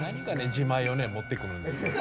自前を持ってくるんですよ。